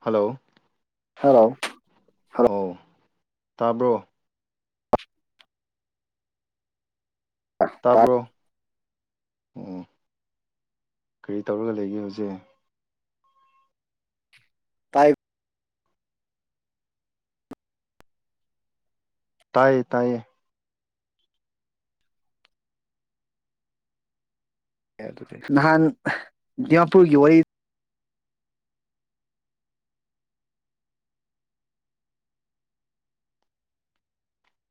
Hello hello hello ꯍꯥꯎ ꯇꯥꯕ꯭ꯔꯣ ꯇꯥꯕ꯭ꯔꯣ ꯑꯣ ꯀꯔꯤ ꯇꯧꯔꯒ ꯂꯩꯒꯦ ꯍꯧꯖꯤꯛ ꯇꯥꯏꯞ ꯇꯥꯏꯌꯦ ꯇꯥꯏꯌꯦ ꯑꯦ ꯑꯗꯨꯗꯤ ꯅꯍꯥꯟ ꯗꯤꯃꯥꯄꯨꯔꯒꯤ ꯋꯥꯔꯤ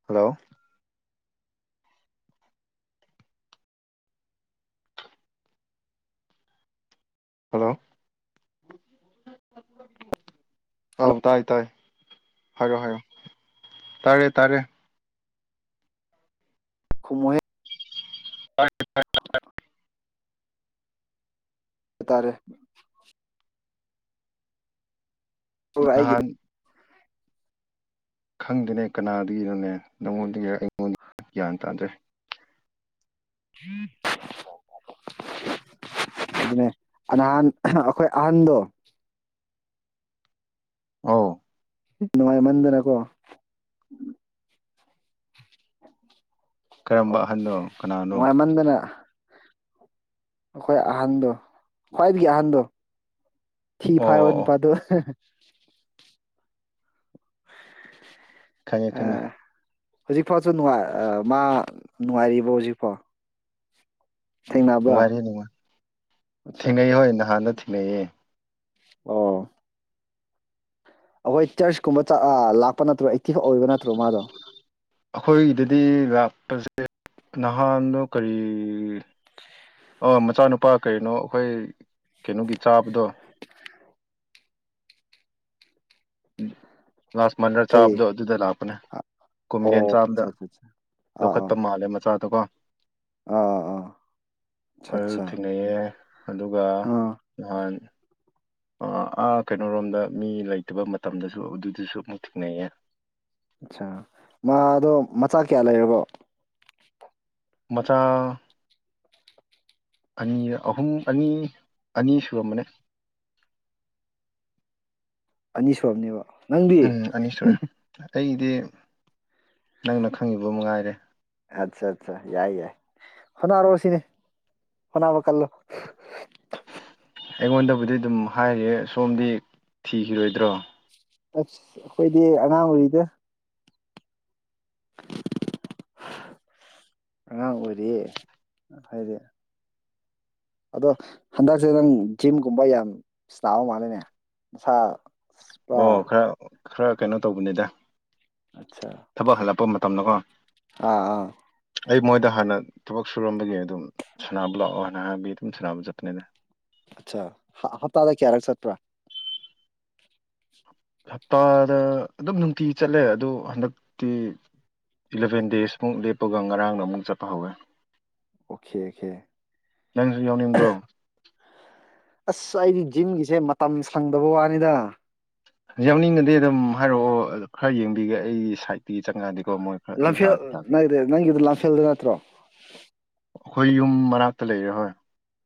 ꯍꯜꯂꯣ ꯍꯜꯂꯣ ꯑꯧ ꯇꯥꯏ ꯇꯥꯏ ꯍꯥꯏꯔꯣ ꯍꯥꯏꯔꯣ ꯇꯥꯔꯦ ꯇꯥꯔꯦ ꯈꯨꯝꯃꯣꯍꯦ [unintelligible] ꯇꯥꯔꯦ ꯅꯍꯥꯟ ꯑꯩꯒꯤꯗ ꯈꯪꯗꯦꯅꯦ ꯀꯅꯥꯗꯒꯤꯔꯥꯅꯦ ꯅꯪꯉꯣꯟꯗꯒꯤꯔ ꯑꯩꯉꯣꯟꯗꯒꯤꯔ ꯒ꯭ꯌꯥꯟ ꯇꯥꯗ꯭ꯔꯦ [unintelligible] ꯑꯗꯨꯅꯦ ꯑꯥ ꯅꯍꯥꯟ ꯑꯈꯣꯏ ꯑꯍꯟꯗꯣ ꯑꯧ ꯅꯨꯡꯉꯥꯏ ꯃꯟꯗꯅꯀꯣ ꯀꯔꯝꯕ ꯑ‌ꯣꯛ ꯑꯍꯟꯅꯣ ꯀꯅꯥꯅꯣ ꯅꯨꯡꯉꯥꯏꯃꯟꯗꯅ ꯑꯈꯣꯏ ꯑꯍꯥꯟꯗꯣ ꯈ꯭ꯋꯥꯏꯗꯒꯤ ꯑꯍꯥꯟꯗꯣ ꯊꯤ ꯑꯣ ꯐꯥꯏꯕ ꯑꯣ ꯑꯣ ꯅꯨꯄꯥꯗꯣ [inaudible] ꯈꯪꯉꯦ ꯈꯪꯉꯦ ꯍꯧꯖꯤꯛꯐꯥꯎꯁꯨ ꯅꯨꯡꯉꯥꯏ ꯑ ꯃꯥ ꯅꯨꯡꯉꯥꯏꯔꯤꯕꯣ ꯍꯧꯖꯤꯛꯐꯥꯎ ꯊꯦꯡꯅꯕ꯭ꯔꯥ ꯅꯨꯡꯉꯥꯏꯔꯤ ꯅꯨꯡꯉꯥꯏ ꯑꯠꯆꯥ ꯊꯦꯡꯅꯩ ꯍꯣꯏ ꯅꯍꯥꯟꯗꯣ ꯊꯦꯡꯅꯩꯌꯦ ꯑꯣ ꯑꯈꯣꯏ ꯆꯔꯁ ꯀꯨꯝꯕ ꯆꯥ ꯑ ꯂꯥꯛꯄ ꯅꯠꯇ꯭ꯔꯣ ꯑꯦꯛꯇꯤꯐ ꯑꯣꯏꯕ ꯅꯠꯇ꯭ꯔꯣ ꯃꯥꯗꯣ ꯑꯈꯣꯏꯗꯗꯤ ꯂꯥꯛꯄꯁꯦ ꯅꯍꯥꯟꯗꯣ ꯀꯔꯤ ꯑꯣ ꯃꯆꯥꯅꯨꯄꯥ ꯀꯔꯤꯅꯣ ꯑꯈꯣꯏ ꯀꯩꯅꯣꯒꯤ ꯆꯥꯕꯗꯣ ꯂꯥꯁꯃꯟꯔ ꯀꯔꯤ ꯆꯥꯕꯗꯣ ꯑꯗꯨꯗ ꯂꯥꯛꯄꯅꯦ ꯑꯣ ꯀꯣꯝꯂꯦꯟ ꯆꯥꯕꯗ ꯑꯠꯆꯥ ꯑꯠꯆꯥ ꯑꯥ ꯑꯥ ꯂꯧꯈꯠꯄ ꯃꯥꯜꯂꯦ ꯃꯆꯥ ꯗꯣꯀꯣ ꯑꯥ ꯑꯥ ꯑꯠꯆꯥ ꯑꯗꯨ ꯑꯠꯆꯥ ꯊꯦꯡꯅꯩꯌꯦ ꯑꯗꯨꯒ ꯑꯥ ꯅꯍꯥꯟ ꯑ ꯑꯥ ꯀꯩꯅꯣꯔꯣꯝꯗ ꯃꯤ ꯂꯩꯇꯕ ꯃꯇꯝꯗꯁꯨ ꯑꯗꯨꯗꯁꯨ ꯑꯃꯨꯛ ꯊꯦꯡꯅꯩꯌꯦ ꯑꯠꯁꯥ ꯃꯥ ꯗꯣ ꯃꯆꯥ ꯀꯌꯥ ꯂꯩꯔꯕꯣ ꯃꯆꯥ ꯑꯅꯤꯔ ꯑꯍꯨꯝ ꯑꯅꯤ ꯑꯅꯤ ꯁꯨꯔꯝꯕꯅꯦ ꯑꯅꯤ ꯁꯨꯔꯝꯅꯦꯕ ꯎꯝ ꯑꯅꯤ ꯁꯨꯔꯦ ꯑꯇꯩꯗꯤ ꯅꯪꯅ ꯈꯪꯉꯤꯕ ꯃꯉꯥꯏꯔꯦ ꯑꯠꯆꯥ ꯆꯥ ꯌꯥꯏ ꯌꯥꯏ ꯍꯣꯠꯅꯔꯣ ꯁꯤꯅꯦ ꯍꯣꯠꯅꯕ ꯀꯜꯂꯣ ꯑꯩꯉꯣꯟꯗꯕꯨꯗꯤ ꯑꯗꯨꯝ ꯍꯥꯏꯌꯦ ꯁꯣꯝꯗꯤ ꯊꯤꯈꯤꯔꯣꯏꯗ꯭ꯔꯣ ꯑꯠꯆ ꯑꯩꯈꯣꯏꯗꯤ ꯑꯉꯥꯡ ꯑꯣꯏꯔꯤꯗ ꯑꯉꯥꯡ ꯑꯣꯏꯔꯤꯌꯦ ꯍꯥꯏꯗꯤ ꯑꯗꯣ ꯍꯟꯗꯛꯁꯦ ꯅꯪ ꯖꯤꯝꯒꯨꯝꯕ ꯌꯥꯝ ꯆꯥꯕ ꯃꯥꯂꯦꯅꯦ ꯃꯁꯥ ꯑꯣ ꯈꯔ ꯈꯔ ꯀꯩꯅꯣ ꯇꯧꯕꯅꯤꯗ ꯑꯠꯆꯥ ꯊꯕꯛ ꯍꯜꯂꯛꯄ ꯃꯇꯝꯗꯀꯣ ꯑꯥ ꯑꯥ ꯑꯩ ꯃꯣꯏꯗ ꯍꯥꯟꯅ ꯊꯕꯛ ꯁꯨꯔꯝꯕꯒꯤ ꯑꯗꯨꯝ ꯁꯅꯥꯕ ꯂꯥꯛꯑꯣ ꯍꯥꯟꯅ ꯍꯥꯏꯕꯒꯤ ꯑꯗꯨꯝ ꯁꯥꯟꯅꯕ ꯆꯠꯄꯅꯤꯗ ꯑꯆꯥ ꯍꯥ ꯍꯞꯇꯥꯗ ꯀꯌꯥ ꯔꯛ ꯆꯠꯄꯔꯥ ꯍꯞꯇꯥꯗ ꯑꯗꯨꯝ ꯅꯨꯡꯇꯤꯒꯤ ꯆꯠꯂꯦ ꯑꯗꯨ ꯍꯟꯗꯛꯇꯤ ꯏꯂꯚꯦꯟ ꯗꯦꯖꯃꯨꯛ ꯂꯦꯞꯄꯒ ꯉꯔꯥꯡꯅ ꯑꯃꯨꯛ ꯆꯠꯄ ꯍꯧꯋꯦ ꯑꯣꯈꯦ ꯑ‌ꯣꯈꯦ ꯅꯪꯁꯨ ꯌꯥꯎꯅꯤꯡꯕ꯭ꯔꯣ ꯑꯁ ꯑꯩꯗꯤ ꯖꯤꯝꯒꯤꯁꯦ ꯃꯇꯝ ꯁꯪꯗꯕ ꯋꯥꯅꯤꯗ ꯌꯥꯎꯅꯤꯡꯉꯗꯤ ꯑꯗꯨꯝ ꯍꯥꯏꯔꯛꯑꯣ ꯈꯔ ꯌꯦꯡꯕꯤꯒꯦ ꯑꯩꯒꯤ ꯁꯥꯏꯠ ꯀꯤ ꯆꯉꯛ ꯑꯗꯤꯀꯣ ꯂꯝꯐꯦꯜ ꯅꯥꯏꯗ ꯅꯪꯒꯤꯗ‌ꯣ ꯂꯝꯐꯦꯜꯗ ꯅꯠꯇ꯭ꯔꯣ ꯑ ꯈꯣꯏ ꯌꯨꯝ ꯃꯅꯥꯛꯇ ꯂꯩꯔꯦ ꯍꯣꯏ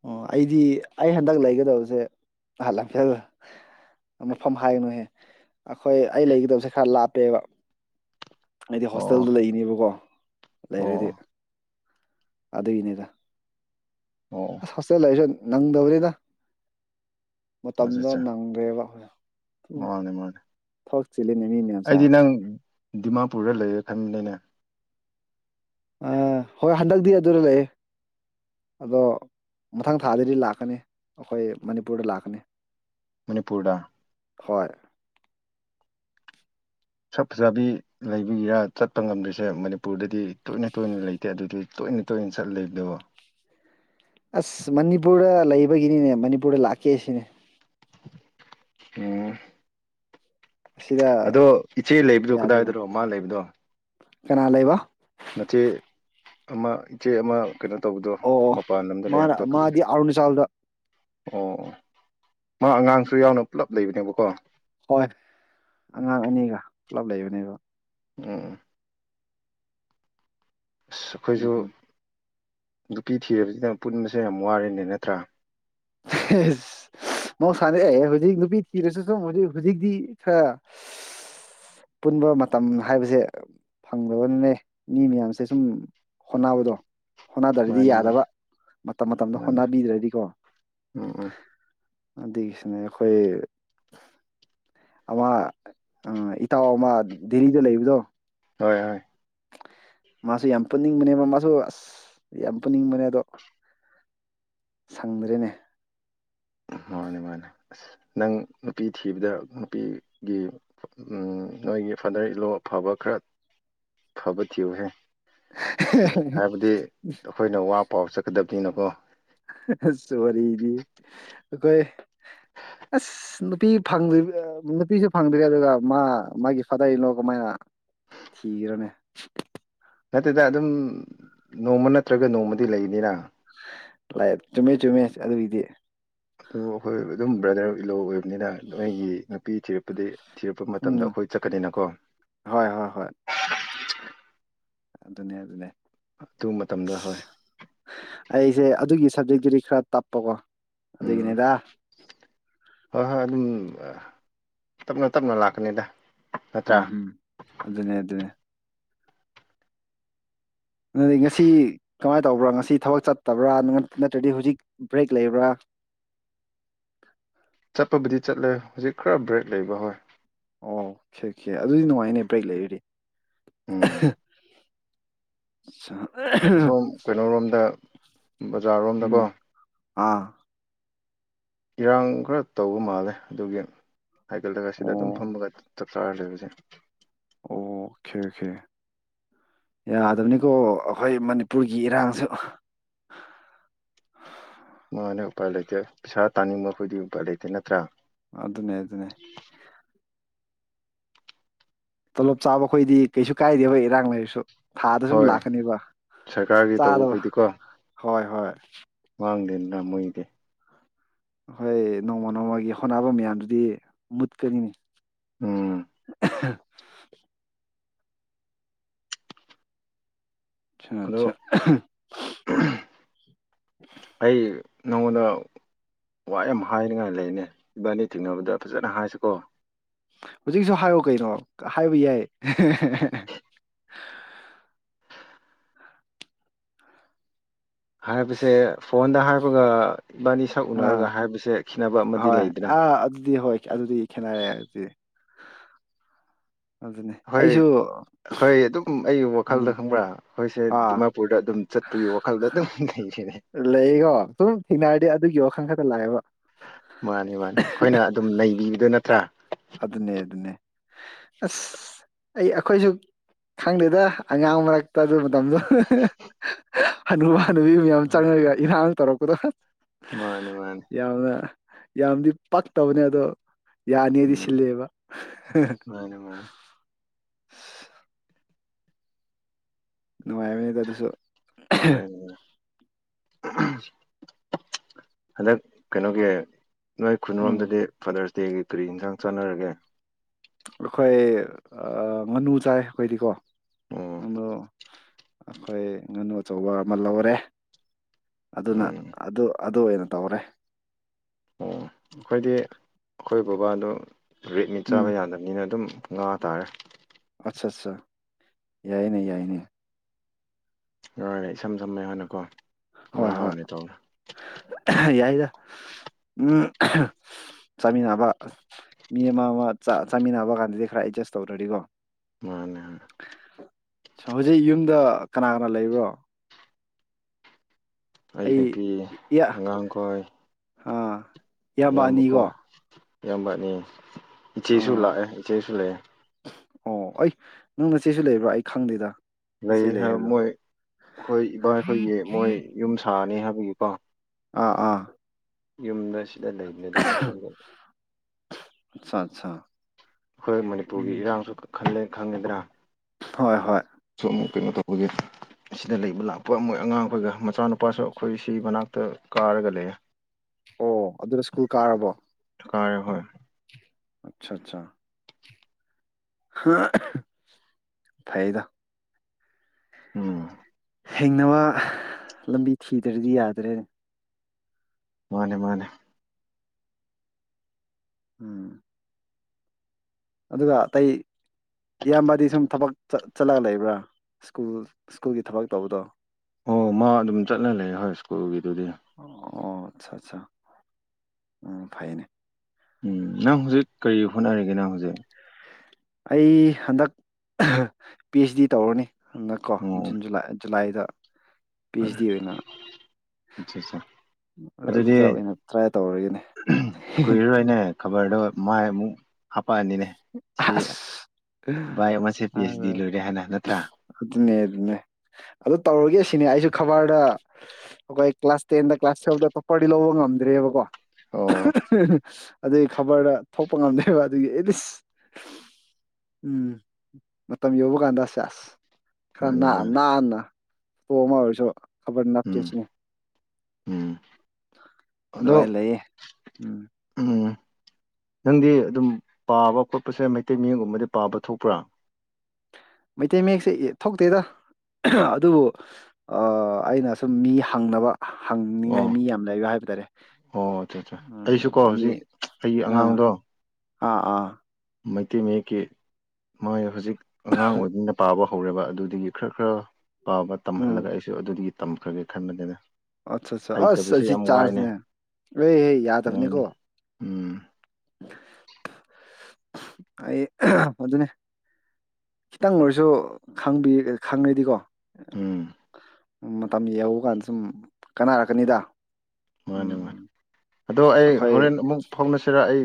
ꯑꯣ ꯑꯩꯗꯤ ꯑꯩ ꯍꯟꯗꯛ ꯂꯩꯒꯗꯕꯁꯦ ꯑ ꯂꯝꯐꯦꯜ ꯃꯐꯝ ꯍꯥꯏꯒꯅꯨꯍꯦ ꯑꯈꯣꯏ ꯑꯩ ꯂꯩꯒꯗꯕꯁꯦ ꯈꯔ ꯂꯥꯞꯄꯦꯕ ꯑꯩꯗꯤ ꯑꯣ ꯍꯣꯁꯇꯦꯜꯗ ꯂꯩꯅꯦꯕꯀꯣ ꯑꯣ ꯂꯩꯔꯗꯤ ꯑꯗꯨꯒꯤꯅꯤꯗ ꯑꯣ ꯑꯁ ꯍꯣꯁꯇꯦꯜ ꯂꯩꯁꯨ ꯅꯪꯗꯕꯅꯤꯗ ꯑꯆꯥ ꯃꯇꯝꯗꯣ ꯑꯠꯆꯥ ꯅꯪꯗꯦꯕ ꯃꯥꯅꯦ ꯃꯥꯅꯦ ꯊꯥꯎ ꯆꯤꯂꯤꯝ ꯃꯅꯤꯅ‌ꯦ ꯑꯩꯗꯤ ꯅꯪ ꯗꯤꯃꯥꯄꯨꯔꯗ ꯂꯩꯔꯦ ꯈꯟꯕꯅꯤꯅꯦ ꯑ ꯍꯣꯏ ꯍꯟꯗꯛꯇꯤ ꯑꯗꯨꯗ ꯂꯩꯌꯦ ꯑꯗꯣ ꯃꯊꯪ ꯊꯥꯗꯗꯤ ꯂꯥꯛꯀꯅꯤ ꯑꯩꯈꯣꯏ ꯃꯅꯤꯄꯨꯔꯗ ꯂꯥꯛꯀꯅꯤ ꯃꯅꯤꯄꯨꯔꯗ ꯍꯣꯏ ꯁꯛ ꯐꯖꯕꯤ ꯂꯩꯕꯤꯒꯤꯔꯥ ꯆꯠꯄ ꯉꯝꯗ꯭ꯔꯤꯁꯦ ꯃꯅꯤꯄꯨꯔꯗꯗꯤ ꯇꯣꯏꯅ ꯇꯣꯏꯅ ꯂꯩꯇꯦ ꯑꯗꯨꯗꯤ ꯇꯣꯏꯅ ꯇꯣꯏꯅ ꯆꯠꯂꯤꯗꯣ ꯑꯁ ꯃꯅꯤꯄꯨꯔꯗ ꯂꯩꯕꯒꯤꯅꯤꯅꯦ ꯃꯅꯤꯄꯨꯔꯗ ꯂꯥꯛꯀꯦ ꯁꯤꯅꯦ ꯎꯝ ꯑꯁꯤꯗ ꯑꯗꯣ ꯏꯆꯦ ꯂꯩꯕꯗꯣ ꯌꯥꯗꯦꯅꯦ ꯀꯗꯥꯏꯗꯅꯣ ꯃꯥ ꯂꯩꯕꯗꯣ ꯀꯅꯥ ꯂꯩꯕ ꯅꯆꯦ ꯑꯃ ꯏꯆꯦ ꯑꯃ ꯀꯩꯅꯣ ꯇꯧꯕꯗꯣ ꯑꯣ ꯑꯣ ꯃꯄꯥꯟ ꯂꯝꯗ ꯂꯩ ꯃꯥꯅ ꯍꯥꯏꯕꯗꯣ ꯀꯔꯤ ꯃꯥꯗꯤ ꯑꯔꯨꯅꯥꯆꯜꯗ ꯑꯣ ꯃꯥ ꯑꯉꯥꯡꯁꯨ ꯌꯥꯎꯅ ꯄꯨꯂꯞ ꯂꯩꯕꯅꯦꯕꯀꯣ ꯍꯣꯏ ꯑꯉꯥꯡ ꯑꯅꯤꯒ ꯄꯨꯂꯞ ꯂꯩꯕꯅꯦꯕ ꯎꯝ ꯑꯁ ꯎꯝ ꯑꯩꯈꯣꯏꯁꯨ ꯎꯝ ꯅꯨꯄꯤ ꯊꯤꯔꯕꯁꯤꯗ ꯄꯨꯟꯕꯁꯦ ꯌꯥꯝ ꯋꯥꯔꯅꯦ ꯅꯠꯇ꯭ꯔꯥ ꯍꯦꯁ꯬꯬ ꯃꯍꯧꯁꯥꯅꯦ ꯍꯧꯖꯤꯛ ꯅꯨꯄꯤ ꯊꯤꯔꯁꯨ ꯁꯨꯝ ꯍꯧꯖꯤꯛ ꯍꯧꯖꯤꯛꯇꯤ ꯈꯔ ꯄꯨꯟꯕ ꯃꯇꯝ ꯍꯥꯏꯕꯁꯦ ꯐꯪꯗꯕꯅꯤꯅꯦ ꯃꯤ ꯃꯌꯥꯝꯁꯦ ꯁꯨꯝ ꯍꯣꯠꯅꯕꯗꯣ ꯍꯣꯠꯅꯗ꯭ꯔꯗꯤ ꯃꯥꯅꯦ ꯃꯥꯅꯦ ꯌꯥꯗꯕ ꯃꯇꯝ ꯃꯇꯝꯗꯣ ꯃꯥꯅꯦ ꯍꯣꯠꯅꯕꯤꯗ꯭ꯔꯗꯤꯀꯣ ꯎꯝ ꯎꯝ ꯑꯗꯨꯒꯤꯁꯨꯅꯦ ꯑꯩꯈꯣꯏ ꯑꯃ ꯏꯇꯥꯎ ꯑꯃ ꯗꯦꯜꯂꯤꯗ ꯂꯩꯕꯗꯣ ꯍꯣꯏ ꯍꯣꯏ ꯃꯥꯁꯨ ꯌꯥꯝ ꯄꯨꯅꯤꯡꯕꯅꯦꯕ ꯃꯥꯁꯨ ꯑꯁ ꯌꯥꯝ ꯄꯨꯅꯤꯡꯕꯅꯦ ꯑꯗꯣ ꯁꯪꯗ꯭ꯔꯦꯅꯦ ꯃꯥꯅꯦ ꯃꯥꯅꯦ ꯑꯁ ꯅꯪ ꯅꯨꯄꯤ ꯊꯤꯕꯗ ꯅꯨꯄꯤ ꯒꯤ ꯎꯝ ꯅꯣꯏꯒꯤ ꯐꯥꯗꯔ ꯏꯟ ꯂꯣ ꯑꯐꯕ ꯈꯔ ꯐꯕ ꯊꯤꯌꯨꯍꯦ ꯍꯥꯏꯕꯗꯤ ꯑꯩꯈꯣꯏꯅ ꯋꯥ ꯄꯥꯎ ꯆꯠꯀꯗꯕꯅꯤꯅꯀꯣ ꯑꯁ ꯋꯥꯔꯤꯗꯤ ꯑꯈꯣꯏ ꯑꯁ ꯑꯁ ꯅꯨꯄꯤ ꯐꯪꯗ ꯅꯨꯄꯤꯁꯨ ꯐꯪꯗꯔ꯭ꯦꯗꯅ ꯃꯥ ꯃꯥꯒꯤ ꯐꯗꯔ ꯏꯟ ꯂꯣ ꯀꯃꯥꯏꯅ ꯊꯤꯔꯅꯦ ꯅꯠꯇꯦꯗ ꯑꯗꯨꯝ ꯅꯣꯡꯃ ꯅꯠꯇ꯭ꯔꯒ ꯅꯣꯡꯃꯗꯤ ꯂꯩꯅꯤꯅ ꯆꯨꯝꯃꯦ ꯆꯨꯝꯃꯦ ꯑꯗꯨꯒꯤꯗꯤ ꯎꯝ ꯑꯗꯨꯝ ꯑꯩꯈꯣꯏ ꯑꯗꯨꯝ ꯕ꯭ꯔꯗꯔ ꯏꯜꯂꯣ ꯑꯣꯏꯕꯅꯤꯅ ꯅꯣꯏꯒꯤ ꯅꯨꯄꯤ ꯊꯤꯔꯛꯄꯗꯤ ꯊꯤꯔꯛꯄ ꯃꯇꯝꯗ ꯎꯝ ꯑꯩꯈꯣꯏ ꯆꯠꯀꯅꯤꯅꯀꯣ ꯍꯣꯏ ꯍꯣꯏ ꯍꯣꯏ ꯑꯗꯨꯅꯦ ꯑꯗꯨꯅꯦ ꯑꯗꯨ ꯃꯇꯝꯗ ꯍꯣꯏ ꯑꯩꯁꯦ ꯑꯗꯨꯒꯤ ꯁꯞꯖꯦꯛꯇꯨꯗꯤ ꯈꯔ ꯇꯞꯄꯀꯣ ꯎꯝ ꯑꯗꯨꯒꯤꯅꯦꯗ ꯍꯣꯏ ꯍꯣꯏ ꯑꯗꯨꯝ ꯇꯞꯅ ꯇꯞꯅ ꯂꯥꯛꯀꯅꯤꯗ ꯅꯠꯇ꯭ꯔꯥ ꯎꯝ ꯎꯝ ꯑꯗꯨꯅꯦ ꯑꯗꯨꯅꯦ ꯑꯗꯨꯗꯤ ꯉꯁꯤ ꯀꯃꯥꯏꯅ ꯇꯧꯕ꯭ꯔꯥ ꯉꯁꯤ ꯊꯕꯛ ꯆꯠꯇꯕ꯭ꯔꯥ ꯅꯠꯇ꯭ꯔꯗꯤ ꯍꯧꯖꯤꯛ ꯕ꯭ꯔꯦꯛ ꯂꯩꯕ꯭ꯔꯥ ꯆꯠꯄꯕꯨꯗꯤ ꯆꯠꯂꯦ ꯍꯧꯖꯤꯛ ꯈꯔ ꯕ꯭ꯔꯦꯛ ꯂꯩꯕ ꯍꯣꯏ ꯑꯣꯈꯦꯈꯦ ꯑꯗꯨꯗꯤ ꯅꯨꯡꯉꯥꯏꯅꯦ ꯕ꯭ꯔꯦꯛ ꯂꯩꯔꯗꯤ ꯎꯝ [unintelligible] ꯑꯁꯣꯝ ꯀꯩꯅꯣꯔꯣꯝꯗ ꯕꯖꯥꯔꯔꯣꯝꯗꯀꯣ ꯎꯝ ꯑꯥ ꯏꯔꯥꯡ ꯈꯔ ꯇꯧꯕ ꯃꯥꯜꯂꯦ ꯑꯗꯨꯒꯤ ꯍꯥꯏꯀꯠꯂꯒ ꯁꯤꯗ ꯑꯣ ꯑꯗꯨꯝ ꯐꯝꯃꯒ ꯆꯞ ꯆꯥꯔ ꯂꯩꯕꯁꯦ ꯑꯣ ꯑꯣꯀꯦ ꯑꯣꯀꯦ ꯌꯥꯗꯕꯅꯤꯀꯣ ꯑꯈꯣꯏ ꯃꯅꯤꯄꯨꯔꯒꯤ ꯏꯔꯥꯡꯁꯨ ꯃꯥꯅꯦ ꯎꯄꯥꯏ ꯂꯩꯇꯦ ꯄꯩꯁꯥ ꯇꯟꯅꯤꯡꯕ ꯑꯩꯈꯣꯏꯗꯤ ꯎꯄꯥꯏ ꯂꯩꯇꯦ ꯅꯠꯇ꯭ꯔ? ꯑꯥꯗꯨꯅꯦ ꯑꯗꯨꯅꯦ ꯇꯣꯂꯣꯞ ꯆꯥꯕ ꯑꯩꯈꯣꯏꯗꯤ ꯀꯩꯁꯨ ꯀꯥꯏꯗꯦ ꯍꯣꯏ ꯏꯔꯥꯡ ꯂꯩꯔꯁꯨ ꯊꯥꯗ ꯁꯨꯝ ꯍꯣꯏ ꯂꯥꯛꯀꯅꯦꯕ ꯁꯔꯀꯥꯔꯒꯤ ꯇꯧꯕ ꯆꯥꯗꯕ ꯑꯩꯈꯣꯏꯗꯤꯀꯣ ꯍꯣꯏ ꯍꯣꯏ ꯃꯥꯡꯗꯦꯗꯅ ꯃꯣꯏꯒꯤꯗꯤ ꯑꯈꯣꯏ ꯅꯣꯡꯃꯥ ꯅꯣꯡꯃꯒꯤ ꯍꯣꯠꯅꯕ ꯃꯌꯥꯝꯗꯨꯗꯤ ꯃꯨꯠꯀꯅꯤꯅꯦ ꯎꯝ [unintelligible] ꯑꯗꯣ [unintelligible] [unintelligible] ꯑꯩ ꯅꯉꯣꯟꯗ ꯋꯥ ꯌꯥꯝ ꯍꯥꯏꯅꯤꯡꯉꯥꯏ ꯂꯩꯌꯦꯅꯦ ꯏꯕꯥꯅꯤ ꯊꯦꯡꯅꯕꯗ ꯐꯖꯅ ꯍꯥꯏꯁꯤꯀꯣ ꯍꯧꯖꯤꯛꯁꯨ ꯍꯥꯏꯌꯣ ꯀꯩꯅꯣ ꯍꯥꯏꯕ ꯌꯥꯏ [unintelligible] ꯍꯥꯏꯕꯁꯦ ꯐꯣꯟꯗ ꯍꯥꯏꯕꯒ ꯏꯕꯥꯅꯤ ꯁꯛ ꯑꯥ ꯎꯅꯔꯒ ꯍꯥꯏꯕꯁꯦ ꯈꯦꯠꯅꯕ ꯑꯃꯗꯤ ꯍꯣꯏ ꯂꯩꯗꯅ ꯑꯥ ꯑꯗꯨꯗꯤ ꯍꯣꯏ ꯑꯗꯨꯗꯤ ꯈꯦꯠꯅꯔꯦ ꯑꯗꯤ ꯑꯗꯨꯅꯦ ꯑꯩꯁꯨ ꯑꯈꯣꯏ ꯑꯗꯨꯝ ꯑꯩꯒꯤ ꯎꯝ ꯋꯥꯈꯜꯗ ꯈꯪꯕ꯭ꯔꯥ? ꯈꯣꯏꯁꯦ ꯑꯥ ꯗꯤꯃꯥꯄꯨꯔꯗ ꯑꯗꯨꯝ ꯆꯠꯄꯒꯤ ꯋꯥꯈꯜꯗ ꯑꯗꯨꯝ ꯂꯩꯔꯦꯅꯦ ꯂꯩꯒꯣ [unintelligible] ꯊꯦꯡꯅꯔꯗꯤ ꯑꯗꯨꯒꯤ ꯋꯥꯈꯟ ꯈꯛꯇ ꯂꯥꯛꯑꯦꯕ ꯃꯅꯤ ꯃꯅꯤ ꯑꯈꯣꯏꯅ ꯑꯗꯨꯝ ꯅꯩꯕꯤꯕꯗꯨ ꯅꯠꯇ꯭ꯔꯥ? ꯑꯗꯨꯅꯦ ꯑꯗꯨꯅꯦ ꯑꯁ ꯑꯩ ꯑꯈꯣꯏꯁꯨ ꯈꯪꯗꯦꯗ ꯑꯉꯥꯡ ꯃꯔꯛꯇ ꯑꯗꯨ ꯃꯇꯝꯗꯨ [unintelligible] ꯍꯅꯨꯕ ꯍꯅꯨꯕꯤ ꯃꯌꯥꯝ ꯆꯪꯉꯛꯑꯒ ꯏꯔꯥꯡ ꯇꯧꯔꯛꯄꯗꯣ ꯍꯥ ꯃꯟꯅꯦ ꯃꯥꯅꯦ ꯌꯥꯝꯅ ꯌꯥꯝꯗꯤ ꯄꯛꯇꯕꯅꯦ ꯑꯗꯣ ꯌꯥꯅꯤꯗꯤ ꯎꯝ ꯁꯤꯜꯂꯦꯕ [unintelligible] ꯃꯥꯅꯦ ꯃꯥꯅꯦ ꯅꯨꯡꯉꯥꯏꯕꯅꯤꯗ ꯑꯗꯨꯁꯨ ꯅꯨꯡꯉꯥꯏ [unintelligible] [unintelligible] ꯍꯟꯗꯛ ꯀꯩꯅꯣꯒꯤ ꯅꯣꯏ ꯎꯝ ꯈꯨꯟꯔꯣꯝꯗꯗꯤ ꯐꯥꯗꯔꯁ ꯗꯦꯒꯤ ꯀꯔꯤ ꯌꯦꯟꯁꯥꯡ ꯆꯟꯅꯔꯒꯦ? ꯑꯩꯈꯣꯏ ꯑꯥ ꯉꯥꯅꯨ ꯆꯥꯏ ꯑꯩꯈꯣꯏꯗꯤꯀꯣ ꯑꯣ ꯑꯗꯣ ꯑꯈꯣꯏ ꯉꯥꯅꯨ ꯑꯆꯧꯕ ꯑꯃ ꯂꯧꯔꯦ ꯑꯗꯨꯅ ꯎꯝ ꯑꯗꯨ ꯑꯗꯨ ꯑꯣꯏꯅ ꯇꯧꯔꯦ꯫ ꯑꯣ ꯑꯈꯣꯏꯗꯤ ꯑꯈꯣꯏ ꯕꯥꯕꯥꯗꯣ ꯔꯦꯗ ꯃꯤꯠ ꯆꯥꯕ ꯎꯝ ꯌꯥꯗ ꯅꯤꯅ ꯗꯨꯝ ꯉꯥ ꯇꯥꯔꯦ ꯑꯠꯆꯥ ꯆꯥ ꯌꯥꯏꯅꯦ ꯌꯥꯏꯅꯦ [unintelligible] ꯏꯁꯝ ꯁꯝꯃꯦ ꯍꯥꯏꯅꯀꯣ ꯍꯣꯏ ꯍꯣꯏ [unintelligible] ꯌꯥꯏꯗ ꯎꯝ [unintelligible] ꯆꯥꯃꯤꯅꯕ ꯃꯤ ꯑꯃ ꯑꯃ ꯆꯥ ꯆꯥꯃꯤꯟꯅꯕ ꯀꯥꯟꯗꯗꯤ ꯈꯔ ꯑꯦꯗꯖꯁ ꯇꯧꯗ꯭ꯔꯗꯤꯀꯣ ꯃꯟꯅꯦ ꯍꯣꯏ ꯆꯣ ꯍꯧꯖꯤꯛ ꯌꯨꯝꯗ ꯀꯅꯥ ꯀꯅꯥ ꯂꯩꯕ꯭ꯔꯣ? ꯑꯩ ꯅꯨꯄꯤ ꯑꯉꯥꯡꯈꯣꯏ꯫ ꯍꯥ ꯏꯌꯥꯝꯕ ꯀꯣ ꯏꯌꯥꯝꯕ ꯑꯅꯤ, ꯏꯆꯦꯁꯨ ꯑꯥ ꯂꯥꯛꯑꯦ ꯏꯆꯦꯁꯨ ꯂꯩꯑꯦ꯫ ꯑꯣ ꯑꯩ ꯅꯪꯅꯆꯦꯁꯨ ꯂꯩꯕ꯭ꯔꯥ? ꯑꯩ ꯈꯪꯗꯦꯗ ꯂꯩ ꯅꯆꯦ ꯍꯥꯏ ꯍꯥꯏꯕꯗꯣ ꯃꯣꯏ ꯑꯈꯣꯏ ꯏꯕꯥꯏ ꯈꯣꯏꯒꯤ ꯃꯣꯏ ꯌꯨꯝ ꯁꯥꯅꯤ ꯍꯥꯏꯕꯒꯤꯀꯣ ꯑꯥ ꯑꯥ ꯌꯨꯝꯗ ꯁꯤꯗ ꯂꯩꯕꯅꯦꯗ ꯃꯣꯏ ꯁꯣꯝꯗ [unintelligible] ꯑꯠꯆꯥ ꯑꯠꯆꯥ ꯑꯈꯣꯏ ꯃꯅꯤꯄꯨꯔꯒꯤ ꯎꯝ ꯏꯔꯥꯡꯁꯨ ꯈꯜꯂꯦ ꯈꯪꯉꯦꯗꯅꯥ ꯍꯣꯏ ꯍꯣꯏ ꯁꯨꯝ ꯀꯩꯅꯣ ꯇꯧꯕꯒꯤ ꯁꯤꯗ ꯂꯩꯕ ꯂꯥꯛꯄ ꯃꯣꯏ ꯑꯉꯥꯡ ꯈꯣꯏꯒ ꯃꯆꯥꯅꯨꯄꯥꯁꯨ ꯑꯩꯈꯣꯏ ꯁꯤ ꯃꯅꯥꯛꯇ ꯀꯥꯔꯒ ꯂꯩꯌꯦ ꯑꯣ ꯑꯗꯨꯗ ꯁ꯭ꯀꯨꯜ ꯀꯥꯔꯕꯣ ꯀꯥꯌꯦ ꯍꯣꯏ ꯑꯆꯥ ꯑꯆꯥ ꯐꯩꯗ ꯎꯝ ꯍꯤꯡꯅꯕ ꯂꯝꯕꯤ ꯊꯤꯗ꯭ꯔꯗꯤ ꯌꯥꯗ꯭ꯔꯦꯅꯦ ꯃꯥꯅꯦ ꯃꯥꯅꯦ ꯎꯝ ꯑꯗꯨꯒ ꯑꯇꯩ ꯏꯌꯥꯝꯕꯗꯤ ꯁꯨꯝ ꯊꯕꯛ ꯆꯠꯂꯒ ꯂꯩꯕ꯭ꯔꯥ ꯁ꯭ꯀꯨꯜ ꯁ꯭ꯀꯨꯜꯒꯤ ꯊꯕꯛ ꯇꯧꯕꯗꯣ ꯑꯣ ꯃꯥ ꯑꯗꯨꯝ ꯆꯠꯂ ꯂꯩ ꯍꯣꯏ ꯁ꯭ꯀꯨꯜꯒꯤꯗꯨꯗꯤ ꯑꯣ ꯑꯆꯥ ꯑꯠꯆꯥ ꯎꯝ ꯐꯩꯌꯦꯅꯦ ꯎꯝ ꯅꯪ ꯍꯧꯖꯤꯛ ꯀꯔꯤ ꯍꯣꯠꯅꯔꯤꯒꯦ ꯅꯪ ꯍꯧꯖꯤꯛ [unintelligible] ꯑꯩ ꯍꯟꯗꯛ ꯄꯤ ꯑꯩꯆ ꯗꯤ ꯇꯧꯔꯅꯤ ꯍꯟꯗꯛ ꯀꯣ ꯑꯣ ꯖꯟ ꯖꯨꯂꯥꯏ ꯖꯨꯂꯥꯏꯗ ꯄꯤ ꯑꯩꯁ ꯗꯤ ꯑꯣꯏꯅ ꯑꯠꯆꯥ ꯑꯠꯆꯥ ꯑꯗꯨꯗꯤ ꯑꯗꯨꯗ ꯑꯣꯏꯅ ꯇ꯭ꯔꯥꯏ ꯇꯧꯔꯒꯦꯅꯦ ꯈꯕꯔꯗꯣ ꯃꯥꯏ ꯃꯨꯛ ꯍꯄꯛꯑꯅꯤꯅꯦ ꯁꯤ ꯑꯁ ꯚꯥꯏ ꯑꯃꯁꯦ ꯄꯤ ꯑꯩꯆ ꯗꯤ ꯂꯣꯏꯔꯦ ꯍꯥꯏꯅ ꯅꯠꯇ꯭ꯔꯥ ꯑꯗꯨꯅꯦ ꯑꯗꯨꯅꯦ ꯑꯗꯨ ꯇꯧꯔꯒꯦ ꯁꯤꯅꯦ ꯑꯩꯁꯨ ꯈꯕꯔꯗ ꯑꯩꯈꯣꯏ ꯀ꯭ꯂꯥꯁ ꯇꯦꯟꯗ ꯀ꯭ꯂꯥꯁ ꯇꯨꯋꯦꯜꯞꯇ ꯇꯣꯞꯄꯔꯗꯤ ꯂꯧꯕ ꯉꯝꯗ꯭ꯔꯦꯕꯀꯣ ꯑꯣ ꯑꯗꯨꯗ ꯈꯕꯔꯗ ꯊꯣꯛꯄ ꯉꯝꯗꯕ ꯑꯗꯨꯒꯤ ꯑꯦꯠ ꯏꯁ ꯎꯝ ꯃꯇꯝ ꯌꯧꯕ ꯀꯥꯟꯗ ꯁꯦꯁ ꯃꯥꯅꯦ ꯈꯔ ꯃꯥꯅꯦ ꯅꯥꯟꯅ ꯄꯣ ꯑꯃ ꯑꯣꯏꯔꯁꯨ ꯈꯕꯔ ꯎꯝ ꯅꯞꯀꯦꯁꯤꯅꯦ ꯎꯝ ꯑꯗꯣ ꯑꯗꯨꯃꯥꯏꯅ ꯂꯩꯌꯦ ꯎꯝ ꯎꯝ ꯅꯪꯗꯤ ꯑꯗꯨꯝ ꯄꯥꯕ ꯈꯣꯠꯄꯁꯦ ꯃꯩꯇꯩ ꯃꯌꯦꯛꯒꯨꯝꯕꯗꯤ ꯄꯥꯕ ꯊꯣꯛꯄ꯭ꯔꯥ ꯃꯩꯇꯩ ꯃꯌꯦꯛꯁꯦ ꯊꯣꯛꯇꯦꯗ ꯑꯗꯨꯕꯨ ꯑꯩꯅ ꯁꯨꯝ ꯃꯤ ꯍꯪꯅꯕ ꯍꯪꯅꯤꯡꯉꯥꯏ ꯑꯣ ꯃꯤ ꯌꯥꯝ ꯂꯩꯕ ꯍꯥꯏꯕ ꯇꯥꯔꯦ ꯑꯣ ꯑ ꯑꯦ ꯑꯩꯁꯨ ꯀꯣ ꯎꯝ ꯃꯤ ꯍꯧꯖꯤꯛ ꯑꯩꯒꯤ ꯑꯥ ꯑꯉꯥꯡꯗꯣ ꯑꯥ ꯑꯥ ꯃꯩꯇꯩ ꯃꯌꯦꯛꯀꯤ ꯃꯥꯣꯏ ꯍꯧꯖꯤꯛ ꯑꯉꯥꯡ ꯑꯣꯏꯕꯅꯤꯅ ꯄꯥꯕ ꯍꯧꯔꯦꯕ ꯑꯗꯨꯗꯒꯤ ꯈꯔ ꯈꯔ ꯄꯥꯕ ꯎꯝ ꯇꯝꯍꯜꯂꯒ ꯑꯩꯁꯨ ꯑꯗꯨꯗꯒꯤ ꯇꯝꯈ꯭ꯔꯒꯦ ꯈꯟꯕꯅꯤꯅ ꯑꯠꯆꯥ ꯑꯠ ꯑꯁ ꯍꯩꯇꯕꯁꯦ ꯑꯁꯤ ꯌꯥꯝ ꯋꯥꯏꯅꯦ ꯆꯥꯟꯁꯅꯦ ꯑꯦ ꯑꯦ ꯎꯝ ꯌꯥꯗꯕꯅꯤꯀꯣ ꯎꯝ ꯑꯩ ꯑꯗꯨꯅꯦ ꯈꯤꯇꯪ ꯑꯣꯏꯔꯁꯨ ꯈꯪ ꯈꯪꯉꯗꯤꯀꯣ ꯎꯝ ꯃꯇꯝ ꯌꯧꯧꯕ ꯀꯥꯟꯗ ꯁꯨꯝ ꯀꯥꯅꯔꯛꯀꯅꯤꯗ ꯃꯥꯅꯦ ꯃꯥꯅꯦ ꯑꯗꯣ ꯑꯩ ꯑꯩꯈꯣꯏ ꯍꯣꯔꯦꯟ ꯑꯃꯨꯛ ꯐꯥꯎꯅꯁꯤꯔ ꯑꯩ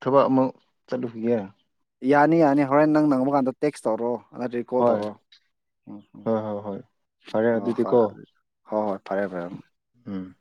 ꯊꯕꯛ ꯑꯃ ꯆꯠꯂꯨꯈꯤꯒꯦ ꯌꯥꯅꯤ ꯌꯥꯅꯤ ꯍꯣꯔꯦꯟ ꯅꯪ ꯅꯪꯕ ꯀꯥꯟꯗ ꯇꯦꯛꯁ ꯇꯧꯔꯣ ꯑꯥꯗꯩ ꯀꯣꯜ ꯍꯣꯏ ꯇꯧꯔꯣ ꯎꯝꯝ ꯍꯣꯏ ꯍꯣꯏ ꯍꯣꯏ ꯐꯔꯦ ꯑꯣ ꯍꯣꯏ ꯑꯗꯨꯗꯤꯀꯣ ꯑꯗꯨ ꯍꯣꯏ ꯍꯣꯏ ꯐꯔꯦ ꯐꯔꯦ ꯎꯝ ꯎꯝ